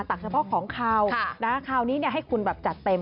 ตักเฉพาะของขาวขาวนี้ให้คุณจัดเต็ม